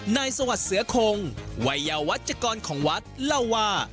สวัสดิ์เสือคงวัยยาวัชกรของวัดเล่าว่า